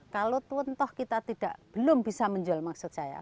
kalau tentu kita belum bisa menjual maksud saya